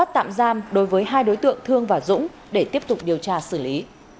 tạm giam đối với hai đối tượng thương và dũng để tiếp tục điều tra xử lý